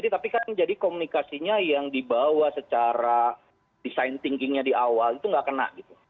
tapi kan jadi komunikasinya yang dibawa secara desain thinkingnya di awal itu nggak kena gitu